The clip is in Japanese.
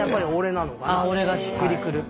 「おれ」がしっくりくる。